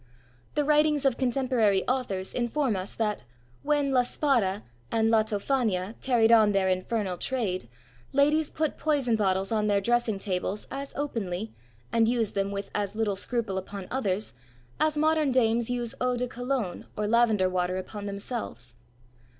The writings of contemporary authors inform us that, when La Spara and La Tophania carried on their infernal trade, ladies put poison bottles on their dressing tables as openly, and used them with as little scruple upon others, as modern dames use Eau de Cologne or lavender water upon themselves.